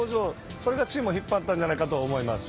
それがチームを引っ張ったんじゃないかと思います。